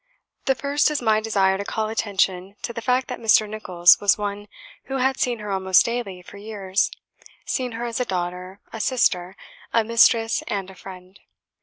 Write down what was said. The first is my desire to call attention to the fact that Mr. Nicholls was one who had seen her almost daily for years; seen her as a daughter, a sister, a mistress and a friend.